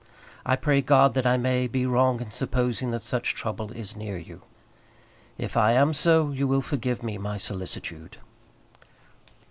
I pray God that I may be wrong in supposing that such trouble is near you. If I am so you will forgive me my solicitude.